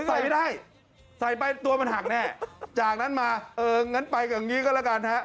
ใส่ไม่ได้ใส่ไปตัวมันหักแน่จากนั้นมาเอองั้นไปกับงี้ก็แล้วกันฮะ